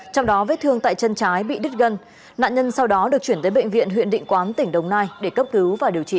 trong đó vết thương tại chân trái bị đứt gân nạn nhân sau đó được chuyển tới bệnh viện huyện định quán tỉnh đồng nai để cấp cứu và điều trị